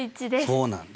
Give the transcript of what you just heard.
そうなんです。